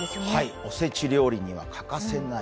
お節料理には欠かせない